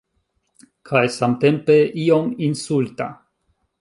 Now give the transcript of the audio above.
Kaj samtempe iom insulta...